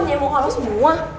ini muka lo semua